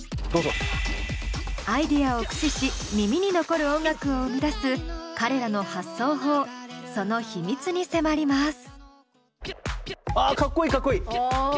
アイデアを駆使し耳に残る音楽を生み出す彼らの発想法その秘密に迫ります。